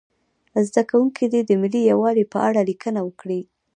زده کوونکي دې د ملي یووالي په اړه لیکنه وکړي.